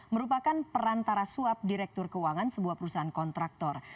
merupakan perantara suap direktur keuangan sebuah perusahaan kontraktor